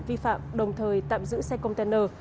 vi phạm đồng thời tạm giữ xe container